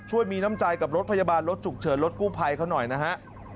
มีน้ำใจกับรถพยาบาลรถฉุกเฉินรถกู้ภัยเขาหน่อยนะฮะ